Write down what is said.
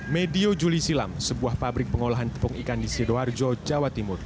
medio juli silam sebuah pabrik pengolahan tepung ikan di sidoarjo jawa timur